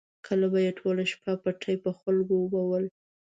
کله به یې ټوله شپه پټي په خلکو اوبول.